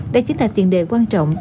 đây chính là tiền đề quan trọng